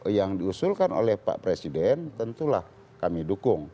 yang diusulkan oleh pak presiden tentulah kami dukung